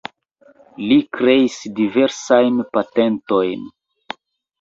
Li kreis diversajn patentojn.